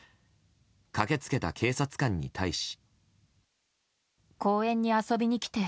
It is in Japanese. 駆けつけた警察官に対し。